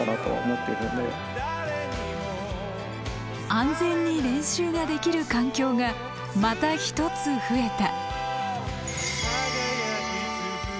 安全に練習ができる環境がまた一つ増えた。